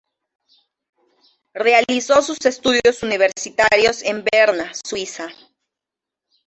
Realizó sus estudio universitarios en Berna Suiza.